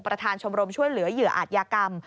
ชมรมช่วยเหลือเหยื่ออาจยากรรม